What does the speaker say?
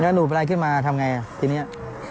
เมื่อหนูใบลึงมาทำเนี่ย